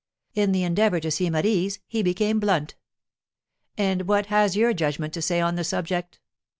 In the endeavour to seem at ease, he became blunt. "And what has your judgment to say on the subject?"